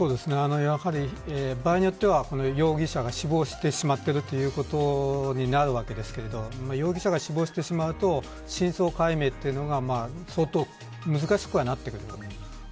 やはり、場合によっては容疑者が死亡してしまっているということになるわけですので容疑者が死亡してしまうと真相解明が相当難しくはなってくる。